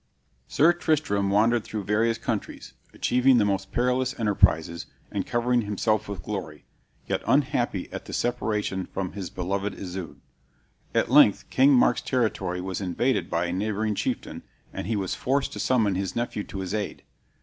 Sir Tristram wandered through various countries, achieving the most perilous enterprises, and covering himself with glory, yet unhappy at the separation from his beloved Isoude. At length King Mark's territory was invaded by a neighboring chieftain, and he was forced to summon his nephew to his aid.